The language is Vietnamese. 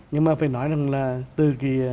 nhưng mà phải nói rằng là từ